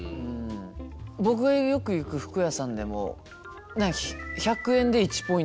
僕がよく行く服屋さんでも１００円で１ポイントみたいな。